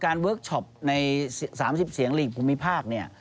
เวิร์คชอปใน๓๐เสียงหลีกภูมิภาคเนี่ย